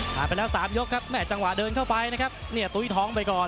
ผ่านไปแล้ว๓ยกครับแม่จังหวะเดินเข้าไปนะครับเนี่ยตุ้ยท้องไปก่อน